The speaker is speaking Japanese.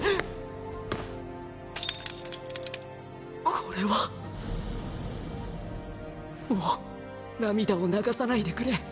これはもう涙を流さないでくれ。